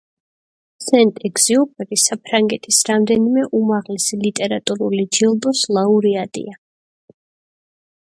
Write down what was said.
სენტ-ეგზიუპერი საფრანგეთის რამდენიმე უმაღლესი ლიტერატურული ჯილდოს ლაურეატია.